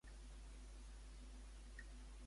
Com va retribuir Príam a Pàntou?